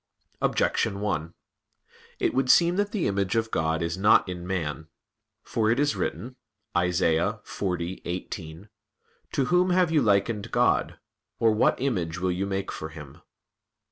Objection 1: It would seem that the image of God is not in man. For it is written (Isa. 40:18): "To whom have you likened God? or what image will you make for Him?"